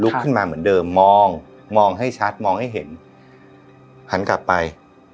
ขึ้นมาเหมือนเดิมมองมองให้ชัดมองให้เห็นหันกลับไป